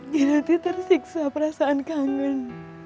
kinanti tersiksa perasaan kangen